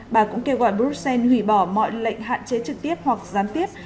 bà cũng kêu gọi bruxelles hủy bỏ mọi lệnh hạn chế trực tiếp hoặc gián tiếp